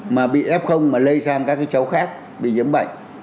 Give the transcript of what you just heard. mà bị ép không mà lây sang các cái cháu khác bị nhiễm bệnh